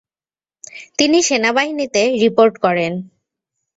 তিনি সেনাবাহিনীতে রিপোর্ট করেন।